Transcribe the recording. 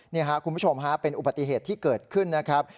นี่ครับคุณผู้ชมฮะเป็นอุบัติเหตุที่เกิดขึ้นนะครับ